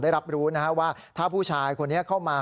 ได้รับรู้ว่าถ้าผู้ชายคนนี้เข้ามา